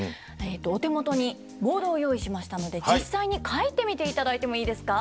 お手元にボードを用意しましたので実際に書いてみていただいてもいいですか？